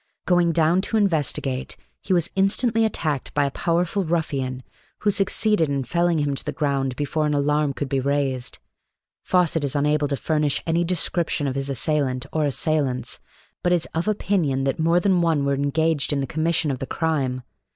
Going down to investigate, he was instantly attacked by a powerful ruffian, who succeeded in felling him to the ground before an alarm could be raised. Fawcett is unable to furnish any description of his assailant or assailants, but is of opinion that more than one were engaged in the commission of the crime.